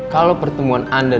kalau pertemuan anda